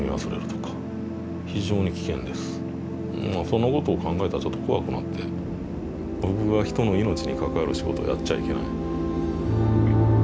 そんなことを考えたらちょっと怖くなってぼくは人の命に関わる仕事をやっちゃいけない。